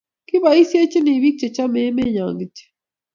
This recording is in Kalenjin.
Kiboisiechini bik chechomei emenyo kityo